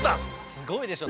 「すごいでしょ？